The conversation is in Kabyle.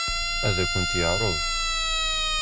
Ad akent-t-yeɛṛeḍ?